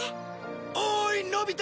おいのび太！